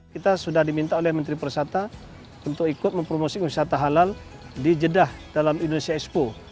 kita sudah diminta oleh menteri persata untuk ikut mempromosi wisata halal di jeddah dalam indonesia expo